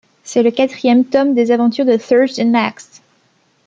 C'est le quatrième tome des aventures de Thursday Next.